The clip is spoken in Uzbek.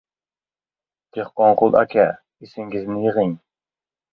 — Dehqonqul aka, esingizni yig‘ing!